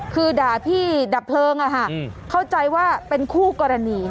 คือด่าพี่ดับเพลิงเข้าใจว่าเป็นคู่กรณี